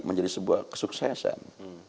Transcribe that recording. menjadi sebuah kesuksesan